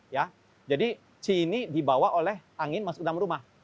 ya jadi ci ini dibawa oleh angin masuk dalam rumah